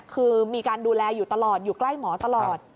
คือมีการดูแลอยู่ตลอดอยู่ใกล้หมอตลอด